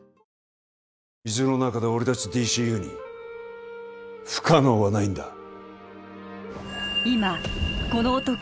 水の中で俺達ＤＣＵに不可能はないんだ